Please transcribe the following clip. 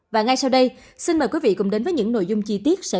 và ngay sau đây xin mời quý vị cùng đến với những nội dung chi tiết sẽ